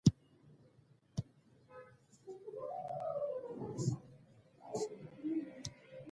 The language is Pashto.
قسم خورم دادی خپله وګوره.